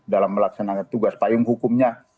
bagaimana mereka melaksanakan tugas payung hukumnya